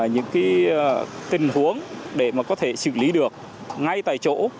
những tình huống để có thể xử lý được ngay tại chỗ